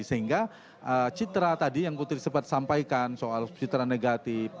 sehingga citra tadi yang putri sempat sampaikan soal citra negatif